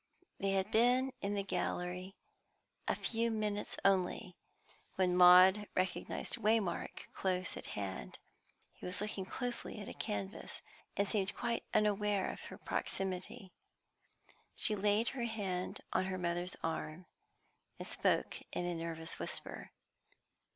They had been in the gallery a few minutes only, when Maud recognised Waymark close at hand. He was looking closely at a canvas, and seemed quite unaware of her proximity. She laid her hand on her mother's arm, and spoke in a nervous whisper.